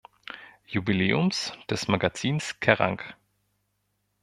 Jubiläums des Magazins Kerrang!